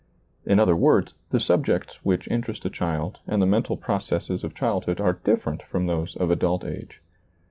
In other words, the subjects which interest a child and the mental processes of child hood are different from those of adult age.